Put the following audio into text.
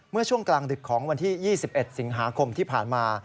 เมื่อช่วงกลางดึกของวันที่๒๑สิงหาคมที่ผ่านมา